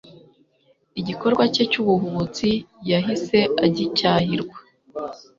Igikorwa cye cyubuhubutsi yahise agicyahirwa